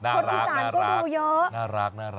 คนอุตสานก็ดูเยอะ